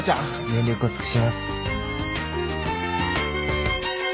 全力を尽くします。